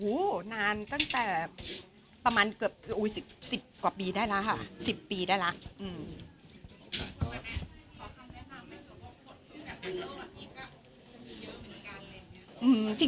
โอ้โหนานตั้งแต่ประมาณเกือบ๑๐กว่าปีได้แล้วค่ะ๑๐ปีได้แล้ว